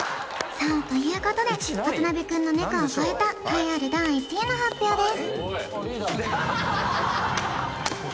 さあということで渡辺くんのネコを超えた栄えある第１位の発表です